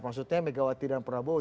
maksudnya megawati dan prabowo